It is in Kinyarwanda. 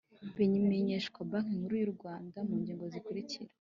bimenyeshwa banki nkuru y’u rwanda mu ngingo zikurikira